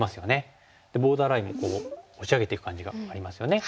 ボーダーラインを押し上げていく感じがありますよね。